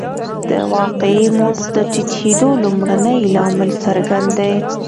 د واقعي مزد د ټیټېدو لومړنی لامل څرګند دی